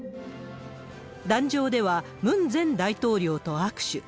壇上では、ムン前大統領と握手。